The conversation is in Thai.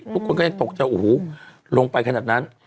ทุกคนก็ยังตกใจโอ้โหลงไปขนาดนั้น